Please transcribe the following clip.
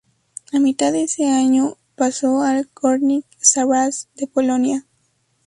A mitad de ese año pasó al Górnik Zabrze de Polonia.